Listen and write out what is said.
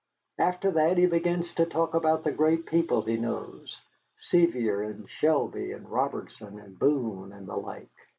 After that he begins to talk about the great people he knows, Sevier and Shelby and Robertson and Boone and the like.